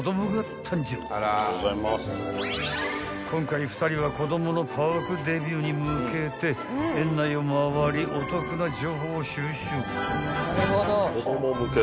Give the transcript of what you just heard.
［今回２人は子供のパークデビューに向けて園内を回りお得な情報を収集］